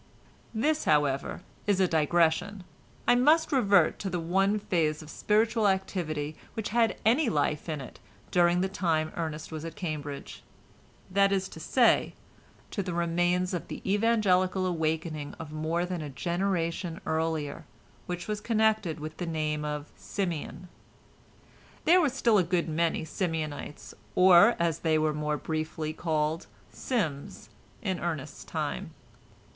This, however, is a digression; I must revert to the one phase of spiritual activity which had any life in it during the time Ernest was at Cambridge, that is to say, to the remains of the Evangelical awakening of more than a generation earlier, which was connected with the name of Simeon. There were still a good many Simeonites, or as they were more briefly called "Sims," in Ernest's time.